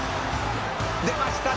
「出ました